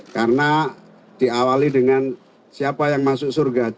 karena diawali dengan siapa yang masuk surga